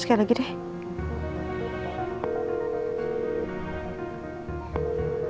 sekali lagi deh